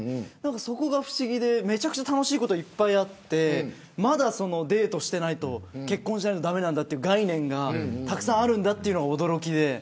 そこが不思議で、めちゃくちゃ楽しいこといっぱいあってまだデートしていないと結婚しないと駄目なんだという概念がたくさんあるのに驚きで。